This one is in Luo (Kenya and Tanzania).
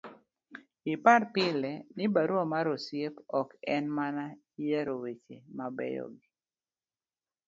ipar pile ni barua mar osiep ok en mana yiero weche mabeyo gi